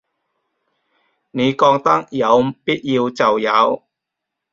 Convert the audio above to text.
你覺得有必要就有